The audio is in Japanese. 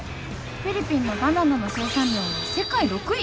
フィリピンのバナナの生産量は世界６位！？